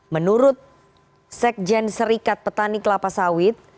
menurut sekjen serikat petani kelapa sawit